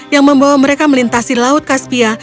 yang membawa mereka melintasi laut kaspia